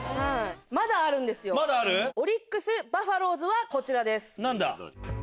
まだあるんですよオリックス・バファローズはこちらです。